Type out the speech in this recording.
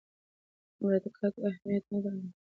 امریکا ته اهمیت نه درلود.